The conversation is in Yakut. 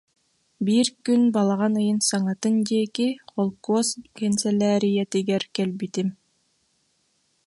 Биир күн, балаҕан ыйын саҥатын диэки, холкуос кэнсэлээрийэтигэр кэлбитим